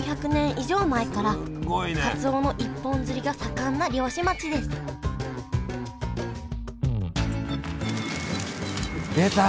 以上前からかつおの一本釣りが盛んな漁師町です出た！